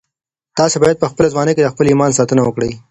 تاسي باید په خپله ځواني کي د خپل ایمان ساتنه وکړئ.